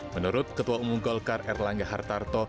menurut ketua umum golkar erlangga hartarto